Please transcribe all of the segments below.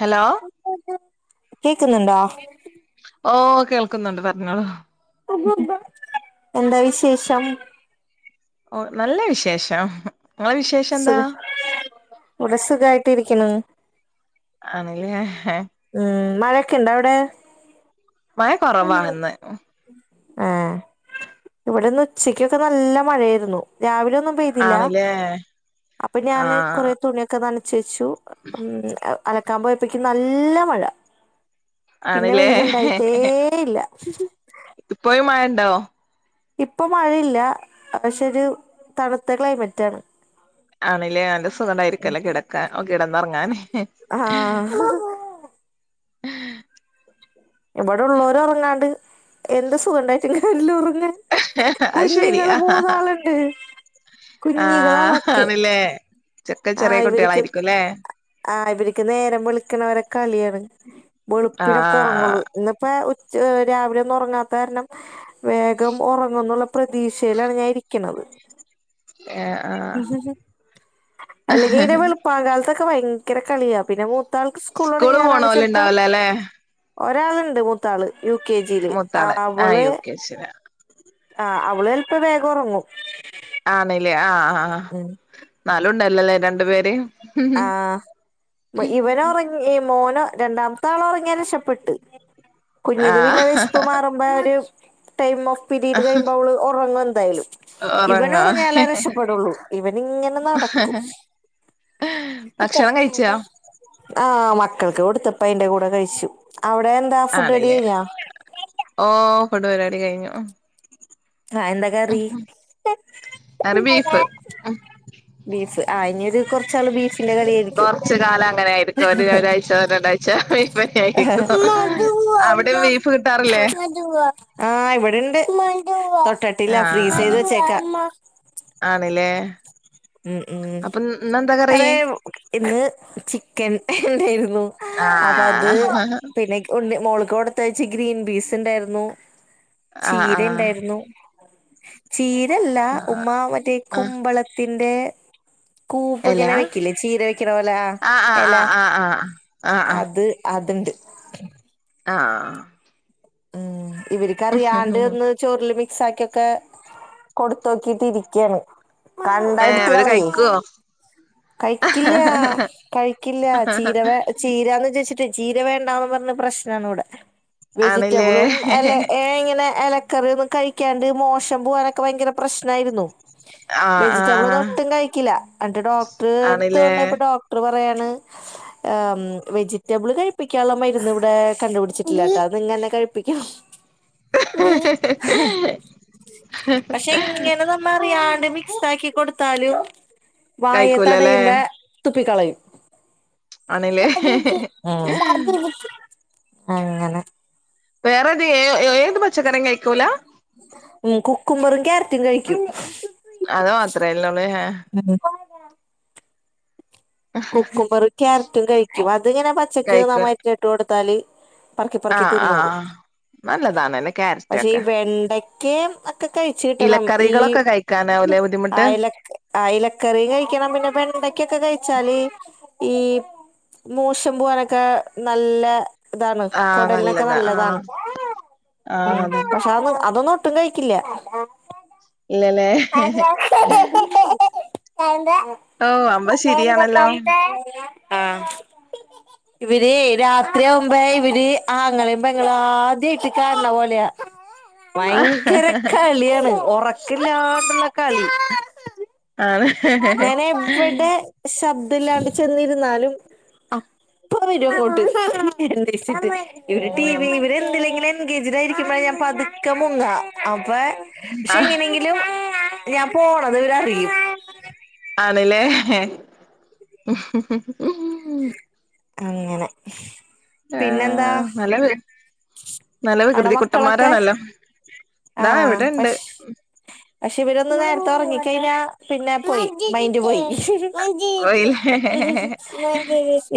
Hello കേക്കുന്നുണ്ടാ ഓ കേൾക്കുന്നുണ്ട് പറഞ്ഞോളോ എന്താ വിശേഷം ഓ നല്ല വിശേഷം നിങ്ങളെ വിശേഷം എന്താ സുഖ ഇവിടെ സുഖായിട്ട് ഇരിക്കുന്നു ആണല്ലേ ഉം മഴൊക്കെ ഇണ്ട അവിടെ ഭയ കുറവാന്ന് ആഹ് ഇവിട്ന്ന് ഉച്ചക്ക്ക്കെ നല്ല മഴയായിരുന്നു രാവിലെ- ഒന്നും പെയ്തില്ല ആണല്ലേ അപ്പംഞാന് ആഹ് കൊറേ തുണിയൊക്കെ നന ച്ചൂ അം അലക്കാമ്പോയപ്പേക്കും നല്ല മഴ- പിന്നെ ആണല്ലേ വെയില്ണ്ടായിട്ടേ ഇല്ല- ഇപ്പോയും മഴണ്ടോ- ഇപ്പൊ മഴയില്ല പക്ഷെ ഒരു തണുത്ത ക്ലൈമറ്റ് ആണ്- ആണില്ലേ നല്ല സുഖണ്ടായിരിക്കല്ലേ കിടക്കാന് ഓ കിടന്നൊറങ്ങാന്- ആഹ് ഇബടൊള്ളോരൊറങ്ങാണ്ട് എന്ത് സുഖണ്ടായിറ്റും കര്യില്ല ഒ ങ്ങാൻ അത് കുഞ്ഞുങ്ങൾ ശരിയാ മൂന്നാളുണ്ട് ആഹ് കുഞ്ഞികളളൊക്കെ ആണല്ലേ ചെക്ക ചെറിയ ആഹ് ഇവര്ക്ക് കുട്ടികളായിരിക്കുംല്ലേ ആഹ് ഇവര്ക്ക് നേരം വെള്ക്കണവരെ കളിയാണ്- വെളുപ്പിനൊക്കെ ആഹ് ഒറങ്ങുള്ളൂ എന്ന ഇപ്പ ഉച്ച രാവിലെ ഒന്നും ഒറങ്ങാത്ത കാരണം വേഗം ഒറങ്ങ് ന്നുള്ള പ്രതീക്ഷയിലാണ് ഞാനിരി ക്കിണത്. ഏഹ് ആഹ് അല്ലെങ്കിൽ ഇനി വളുപ്പകാലത്തെക്ക് ഭയ്ങ്കര കളിയാ പിന്നെ മൂത്താൾക്ക് സ്കൂള് സ്കൂളൊടങ്ങിയൾ പോണോല് ചില്പ്പോ ഉണ്ടാവൂലല്ലേ ഒരാള്ണ്ട് മൂത്താള് യു കെ ജില് മൂത്താള് അഹ് ആഹ് അവള് യു കെ ജിലാ ആഹ് അവള് എല്പ്പ വേഗൊറങ്ങും ആണില്ലേ ആഹ് ആഹ് അഹ് ന്നാലുണ്ടല്ലല്ലേ രണ്ടു പേര് ആഹ് ഇവനോറങ്ങി [unintelligible] മോനോ രണ്ടാമത്തളോറങ്ങിയാ രക്ഷപ്പെട്ട് കുഞ്ഞീത് പിന്നെ ആഹ് വെശ്പ്പ് മാറുമ്പോര് ടൈം ഓഫ് പീരീഡ് കഴിയ്മ്പോ അവള് ഉറങ്ങുന്തായാലും ഉറങ്ങാ ഇവനൊറങ്ങിയാലേ രക്ഷപ്പെടുള്ളൂ ഇവൻ ഇങ്ങനെ നടക്കും ഭക്ഷണം കയിച്ചാ ആഹ് മക്കൾക്ക് കൊടുത്തപ്പ അയിന്റെ കൂടെ കയിച്ചു അവിടെ എന്താ ഫുഡ്അഡിയിഞ്ഞാ ഫുഡ്‌പര്പാടി കയിഞ്ഞു ആഹ് എന്താ കറി? കറി ബീഫ് ബീഫ് ആഹ് ഇഞ്ഞി ഒരു കൊറച്ചാള് ബീഫിന്റെ കളിയാരിക്കും. കൊറച്ച് കാലം അങ്ങനെ ആയിരിക്കും ഒരു ഒരാഴ്ച [unintelligible] ആഹ് ആയിരിക്കും അവിടെ ബീഫ് കിട്ടാറില്ലേ ഇവി- ഇണ്ട് തൊട്ടട്ടില്ല ആഹ് ഫ്രീസെയ്ത് ആഹ് വെച്ചേക്ക. ആണ്ല്ലേ ഉം ഉം അപ്പൊ ഇന്നെന്താ കറി അതായ ഇന്ന് ചിക്കൻ ണ്ടെര്. ന്നു അപ്പൊ അത് ആഹ് പിന്നേക് ഉണ്ണിമോൾ - ഇകൊടുത്തയിച്ച് ഗ്രീൻ ബീസ് ണ്ടായിരുന്നു ആഹ് ആഹ് ചീരണ്ടായിരുന്നു. ചീരല്ല ആഹ് ഉമ്മ മറ്റേ ആഹ് കുമ്പളത്തിന്റെ - കൂപ്പ് എലാ ഇങ്ങനെ വെക്കില്ലേ ചീര വെക്കണ പോലെ ആഹ് ആഹ് എല ആഹ് ആഹ് ആഹ് അത് അ ത്രണ്ട് ആഹ് ആ മ് ഇവര്ക്കറിയാണ്ട് ഒന്ന് ചോറില സാക്കിയൊക്ക കൊടുത്തോക്കിട്ട് ഇരിക്കുകയാണ്. കണ്ടാ ഏഹ് എടുത്ത് അവര് കളയി- കഴിക്കുവോ കഴിക്കില്ലാ കഴിക്കില്ലാ ചീര ചീരാന്ന് ചോയിച്ചിട്ട്. ചീര വേണ്ടാന്ന് പറഞ്ഞ് പ്രശ്നാ ഇവിടെ ആണില്ലേ വെജിറ്റബിളും അല്ല ഏ അങ്ങനെ - മലക്കറി ഒന്നും കഴിക്കാണ്ട് മോഷൻ പോവാനൊക്കെ ഭയങ്കര പ്രശ്നായിരുന്നു. ആഹ് ആഹ് വെജിറ്റബിൾ ഒന്നും ആഹ് ഒട്ടും കഴിക്കില്ല എന്നിട്ട് ഡോക്ടർ ആണില്ലേ അടുത്തൊണ്ടോ യപ്പ ഡോക്ടർ പറയാ ണ് വെജിറ്റബിൾ കഴിപ്പിക്കാനുള്ള മരുന്ന് ഇവിടെ കണ്ടുപിടിച്ചിട്ടില്ല ട്ടാ അത്ങ്ങന്നെ കഴിപി പ്പിക്കണം. പക്ഷെ ഇങ്ങനെ നമ്മ അറിയാണ്ട് താക്കി കൊടുത്താലും വായെ കഴിക്കൂലല്ലേ തടയുമ്പ തുപ്പികളയും. ആണില്ലേ [unintelligible] ആഹ് അങ്ങനെ. വേറെത് ഏ ഏത് പച്ചക്കറിം കഴിക്കൂല? കുമ്മറും ക്യാരറ്റും കഴിക്കും. അതോ മാത്ര ഇല്ലള്ളേ ഏ? [unintelligible] കുക്കുംബറും ക്യാരറ്റും കഴിക്കും അതിങ്ങനെ പച്ചക്ക് കഴിക്ക നമ്മ ഇട്ട് കൊടുത്താല്. പറക്കി പറക്കി ആഹ് ആഹ് തിന്നോളൂ ആഹ് നല്ലതാണല്ലേ ക്യാരറ്റ് പക്ഷെ ഈ ഒക്കെ വെണ്ടക്കെ - ഒക്കെ കഴിച്ച കിട്ടണം ഈ- ഇലക്കറികളൊക്കെ കഴിക്കാനാവൂലേ ബുദ്ധിമുട്ട് ആ ഇലക്കറി കഴിക്കണം പിന്നെ വേണ്ടക്കൊക്കെ കഴി - ച്ചാല് ഈ മൂശം പോവാനൊക്കെ നല്ല- ഇതാണ് ആഹ് കൊടലിനൊക്കെ നല്ലതാ ആഹ് നല്ലതാണ് ഉ ആഹ് അതന്നെ പക്ഷെ അ അതൊന്നും - ഒട്ടും കഴിക്കില്ല. ഇല്ലല്ലേ ക എന്താ? ഓഹ് അമ്പാ ശീരി. ആഹ് ഇവര് രാത്രി ആവുമ്പ ഇവര് ആങ്ങളീം പെങ്ങളും ആദ്യമായിട്ട് കാണണ പോലെയാ. ആണ് ഭയങ്കര കളിയാണ് ഉറക്കില്ലാത കളി. ഞാന എവിടെ ശബ്ദ- ല്ലാണ്ട് ചെന്നിരുന്നാലും അപ്പവരും അങ്ങോട്ട്. ഇവര് ടീവി എന്തെങ്കിലുമൊക്കെ എൻഗേജ്ഡ് ആയിരിക്കുമ്പോഴ ഞാ പതുക്കെ മുങ്ങാ. അപ്പ പക്ഷെ ആഹ് എങ്ങനെങ്കിലും ഞാൻ പോണത് ഇവരറിയും. ആണല്ലേ? അങ്ങനെ. ആ പിന്നെന്താ നല്ലവ നല്ല അവിടെ വികൃതി മക്കളൊക്കെ കുട്ടന്മാരാണല്ലോ. ആഹ് പ പക്ഷെ ഇവരൊന്ന് നേരത്തെ ഒറ - ക്കഴിഞ്ഞ പിന്നെ പോയി മൈന്റ് പോയി. പോയില്ലേ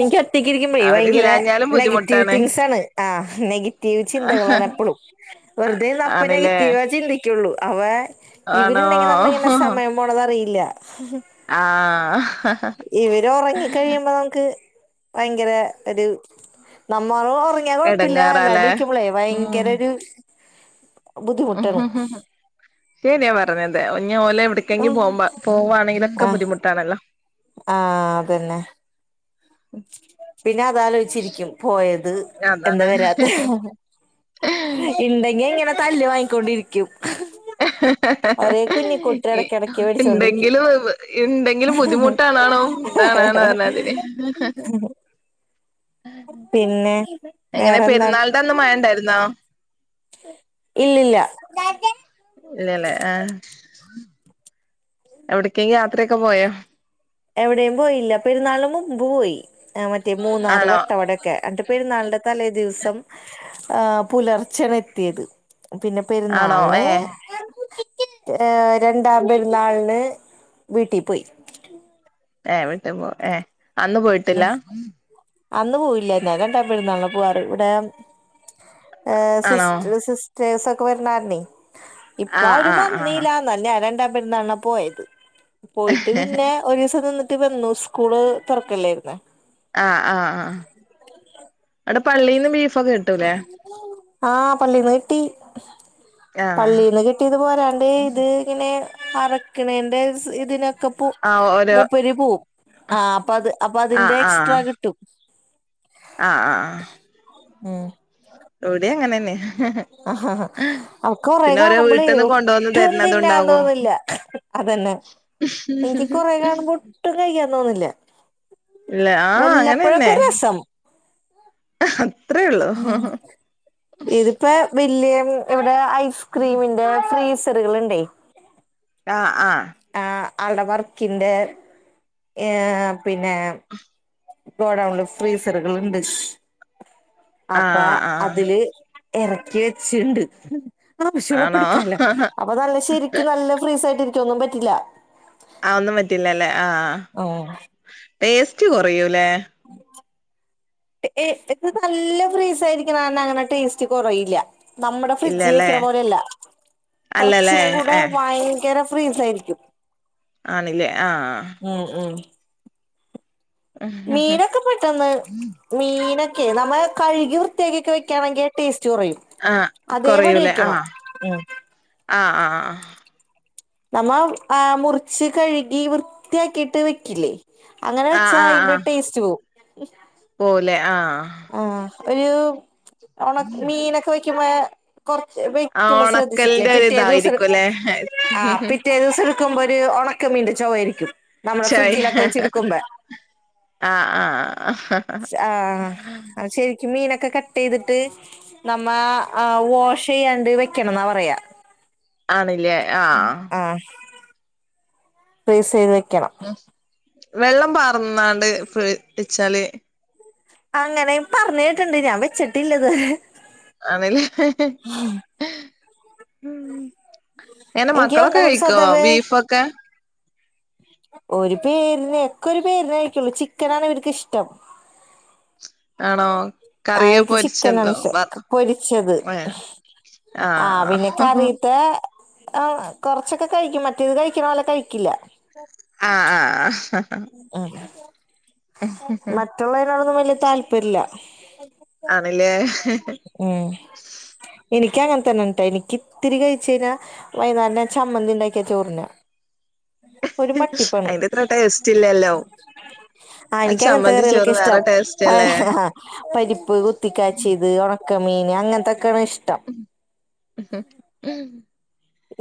എനിക്ക് ഒറ്റക്കിരിക്കുമ്പേ ഭയങ്കര അവരില്ലാഞ്ഞാലും നെ റ്റിവ് ബുദ്ധിമുട്ടാണ് തിങ്ക്സ് ആണ് ആ നെഗറ്റീവ് ചിന്തകളാണ് എപ്പോളും വെറുതെ റാ ആണ്ല്ലേ നെഗറ്റീവ ചിന്തിക്കുള്ളൂ അവ ആണോ ഇവരുണ്ടെങ്കി നമ്മ ഇങ്ങനെ സമയം പോണതറിയില്ല ആഹ് ഇവര് ഉറങ്ങിക്കഴിയുമ്പോ നമുക്ക്. ഭയങ്കര ഒരു നമ്മ വൊ ഒറങ്ങിയാൻ കുഴപ്പില്ല അല്ലാണ്ട് എടങ്ങേറാല്ലേ ഇരിക്കുമ്പോളേ ഭയങ്കര ഒരു ഉ ബുദ്ധിമുട്ടാണ് ശരിയാ പറഞ്ഞത് ഞ്ഞ്ഓലെ ആ എടുക്കെങ്കി പോവുമ്പ ആ പോകവാണെങ്കിലൊക്ക ബുദ്ധിുട്ടാണല്ലോ ആ അതന്നെ പിന്നെ അതലോചിച്ചിരിക്കും പോയത് എന്താ അതാണ് വരാത്ത ഏഹ് ഇണ്ടെങ്കി ഇങ്ങനെ തല്ല് വാങ്ങിക്കൊണ്ടിരിക്കും ഒരേ കുഞ്ഞിക്കുട്ടി എഹെ ഇടക്കിടക്ക് മേടിച്ചോണ്ടിരിക്കും എന്തെങ്കിലും എന്തെങ്കിലും ബുദ്ധിമുട്ടാണാണോ ആണ് ആണ് അതിനു ഏഹ് പിന്നെ എങ്ങനെ വേറെന്താണ്. പെരുന്നാളിന്റെ അന്ന് മഴ ഇണ്ടായിരുന്നോ ഇല്ലില്ല. ഇല്ല ലെ ഏ എവിടക്കെങ്കും യാത്രയൊക്കെ പോയോ എവിടെയും പോയില്ല പെരുന്നാള് ന് മുമ്പ് പോയി ആ മറ്റേ മൂന്നാറ് ആണോ വട്ടവടൊക്കെ അടെ പെരുന്നാളന്റെ തലേദിവ മ് ആ പുലർച്ചെയാണ് എത്തിയത്. പിന്നെ ആണോ പെരുന്നാളിന്. ഏ ഏ രണ്ടാം പെരുന്നാളിന് വീട്ടി പോയി ഏ വീട്ടി പോ ഏ അന്ന് ആ പോയിട്ടില്ല അന്ന് പോയില്ലന്നാല രണ്ടാ പെരുന്നാള പോവാറ് ഇവിടെ ആണോ സിസ്റ്റിസ് സിസ്റ്റ് ചേസ ഒക്കെ വരണാര ഇപ്പ ആ ആ ആരും ആ വന്നീലന്നല്ല രണ്ട പെരുന്നാളിന പോയത് പോയിട്ട് പിന്നെ ഒരു ദിസം നിന്നിട്ടു വന്നു സ്കൂൾ തുറ [unintelligible] ല്ലായിരുന്ന് ആഹ് ആഹ ആഹ് അവിടെ പള്ളിയിന്ന് ബീഫൊക്കെ കിട്ടൂല്ലേ ആഹ് പള്ളീന്ന് കിട്ടി ആ പള്ളീന്ന് കിട്ടിയത് പോരാണ്ട് ഇത് ഇങ്ങനെ അറക്ക്ണേന്റെ സ്ഇതിനൊെ ക്കപ്പു ആ ഓരോ മൂപ്പര് പോവും ആ അപ്പൊ അത് അപ്പൊ അതിന്റെ എക്സ്ട്രാ കിട്ടും ആഹ ആഹ ആഹ ഉം ആഹാഹ് അവക്കൊറെ പിന്നെ ഓരോ കാണുമ്പോളേ വീട്ടിൽന്ന് കൊണ്ടുവന്ന് ഒട്ടും തിന്നാൻ തരുന്നതുണ്ടാകും തോന്നില്ല അതന്നെ എനിക്ക് കുറേ കാണുമ്പോ ഒട്ടും കഴിക്കാൻ തോന്നില്ല ഇല്ല ആഹ വല്ലപ്പോഴൊക്കെ അങ്ങനെന്നെ ഒരു രസം ആഹാ ഉ ഇതിപ്പ ഇല് ഇവിടെ ഐസ്ക്രീമിന്റെ ഫ്രീസറുകളുണ്ടെ ആഹ് ആ ആ അ വ്ടെവർക്കിന്റെ എ പിന്നേ ഗോഡൗണില് ഫ്രീസറുകൾ ഉണ്ട് ആ അപ്പാ ആ അതില് ഇറക്കി വച്ചീണ്ട്. ആണോ ആവശ്യള്ളപ്പൊട്ക്കാ ലഅപ്പൊ നല്ല ശരിക്കു നല്ല ഫ്രീസായിട്ടിരിക്കു ഒന്നും പറ്റില്ല ആഹ ഒന്നും പറ്റില്ല അല്ലേ ഓ ടേസ്റ്റ് കുറയൂല്ലേ ഏ എത് നല്ല ഫ്രീസായിരിക്കണ കാരണ അങ്ങനെ ടേസ്റ്റ് കൊറയില്ല നമ്മുടെ ഫ്രിഡ്ജ് ഇല്ലല്ലേ വെക്കണ പോലെയല്ല അല്ലല്ലേ കുറച്ചും കൂടെ ഏ ഭയങ്കര സ് ഫ്രീ സായിരിക്കും ആണില്ലേ ആഹ ഉം മീനൊക്കെ പെട്ടെന്ന് മീനൊ [unintelligible] ഓ നമ്മ കഴുകി വൃയക്കൊക്കെ വെക്കാണെങ്ക ടേസ്റ്റ് ചോറിയും ആഹ് അതേപടി കൊറയൂലേ വെക്കണം ആഹ് ആഹ് ആഹ് നമ്മ ആ മുറിച്ച് കഴുകി വൃത്തിയാക്കിട്ട് വെക്കില്ലേ അങ്ങനെച്ചായ ഇന്റെ ടേസ്റ്റ് പോവും പോലെ ആഹ് ആഹ് ഒരു ഉണ മീനൊക്കെ വാക്കുപ്പോ കൊറച്ച് ആ ആ വെക്കുമ്പോ ശ്രദ്ധിച്ചിട്ടില്ലേ ഒണക്കലിന്റെ ഒരു പിറ്റേ ദിവസ ഇതായിരിക്കുംല്ലേ ആ പിറ്റേ ദിവസം ടു നക്കുമ്പോ ഒരു ഉണക്ക മീന്റെ ചവയിരിക്കും ച്ചയ് ആഹ് ആഹ് ആഹ് ശരിക്ക മീനൊക്കെ കട്ട് ചെയ്തിട്ട് നമ്മ വാഷ് ചെയ്യാണ്ട് വെക്കണം എന്നാ പറയാ ആണില്ലേ ആഹ പ്രീസ് ചെയ്ത് വെക്കണം വെള്ളം പാറന്നാണ്ട് ഫ്രിഡ്ച്ചിൽ വച്ചാല് അങ്ങനെ പറഞ്ഞട്ടുണ്ട് ഞാൻ വെച്ചിട്ടില്ലത് ആണല്ല എന്റെറെ മക്കളൊക്കെ എനിക്ക് കഴിക്കുവോ സദവേ ബീഫൊക്കെ ഒരു പേരിനെ ഒക്കെ ഒരു പേരിനെ കഴക്കുള്ളു ചിക്കനാണ് ഇവർക്ക് ഇഷ്ടം ആണോ കറിയോ അവൾക് ചിക്കെൻ ആണ് പൊരിച്ചതോ വർ ഇഷ്ട്ടം പൊരിച്ചത് ഏ ആ ആഹ് ആഹ് വിനക്കറിയത്തെ ആഹ് കൊറച്ചൊക്കെ കഴിക്കും മറ്റേത് കഴിക്കണ പോലെ കഴിക്കില്ല ആഹ ആ മറ്റുള്ളതിനതിനോടൊന്നും വലിയ താല്പര്യല്ല ആണല്ലേ നിക്ക് അങ്ങനെ തന്നെട്ടാ നിക്ക് ഇത്തിരി കയിച്ചഞ്ഞാ വൈന്നാരം ചമ്മന്തി ഉണ്ടാക്കിയാ ചോറിന്ന. ഒരു മട്ടിപ്പണു. അയിന്റെ അത്ര ടേസ്റ്റ് ഇല്ലല്ലോ ആ എനിക്ക് അങ്ങനത്തെ ചമ്മന്തി ചോറ് കറികളൊക്കെ ഇഷ്ട്ടാ വേറെ ടേസ്റ്റ് പയ അല്ലേ ആ പരിപ്പ് കുത്തിക്കാച്ചിയത്, ഉണക്കമീൻ അങ്ങനത്തെ ഉം ഉംഹ്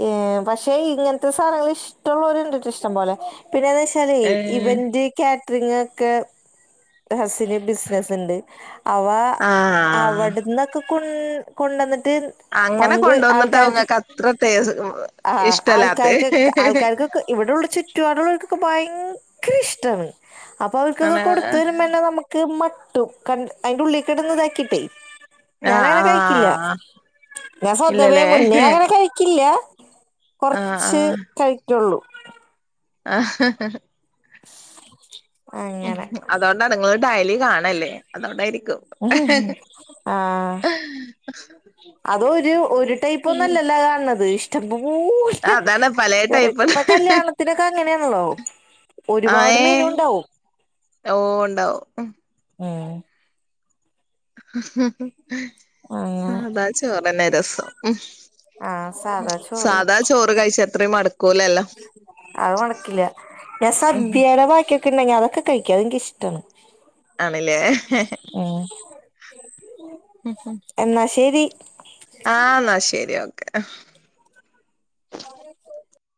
ഏ പക്ഷെ ഇങ്ങനത്തെ സാധനങ്ങൾ ഇഷ്ടമുള്ളവരുണ്ടിട്ട് ഇഷ്ടംപോലെ. പിന്നെന്ന് വെച്ചാല ഏ ഇവന്റ് കാ ഇങ്ങക്കെ ഹസിന് ബിസിനസ് ഇണ്ട് അവ ആഹ് അവിടന്നൊക്കെ കൊൺ കൊണ്ടന്നിട്ട് അങ്ങനെ പങ്ക് കൊണ്ടുവന്നിട്ടാ ആൾക്കാർക്ക് ഇങ്ങക്ക് അത്ര ടേസ് ആഹ ഇഷ്ടല്ലാത്തെ ആൾക്കാർക്കൊക്കെ ആൾക്കാർക്കൊക്കെ ഇവിടെള്ള ചുറ്റുപടുക ഭയങ്കര ഇഷ്ട്ടാണ് അപ്പൊ അവർക്ക് ഒക്കെ ആണ് കൊടുത്ത വരുമ്പോന്നെ നമുക്ക് മ ട്ടും ക അതിന്റെറെ ഉള്ളിൽ കിടന്ന് ഇതാക്കിട്ടേ ഞാൻ ആഹ് അങ്ങനെ കഴിക്കില്ല ആഹ് ഞാൻ സ്വന്തവേ ഇല്ലല്ലേ മുന്നേ അങ്ങനെ കഴിക്ക [unintelligible] ഇല്ല ആഹ് കുറച്ച് ആഹ് കഴിക്കുള്ളൂ. ആഹ [unintelligible] അങ്ങനെ ഉമ് അതുകൊണ്ടാ ഇങ്ങള് ഡയലി കാണല്ലേ അതുകൊണ്ടായിരിക്കും ആഹ് അതൊരു ഒരു ഉം [unintelligible] അതാണ് പലേ [unintelligible] ടൈപ്പ് ഇപ്പൊ കല്യാണത്തിനൊക്കെ അങ്ങനെയാണല്ലോ ആഹ് ഒരുപാട് ഏ മെനു ഇണ്ടാവും ഓ ഇണ്ടാവും ഉം അങ്ങനെ സാദാ ചോറന്നെ രസം ഉം ആഹ് സാധാ ചോറ് സാധാ ചോറു കഴിച്ചാ അത് മടക്കില്ല ഞാൻ ഉം സദ്യയുടെ ബാക്കിയൊ ഒക്കെണ്ടെങ്കിൽ അതൊക്കെ കയിക്കും എനിക്കിഷ്ട്ടാണ്. ആണല്ലേ എന്നാ ശെരി ആന്നാ ശെരി ഓക്കെ. [unintelligible]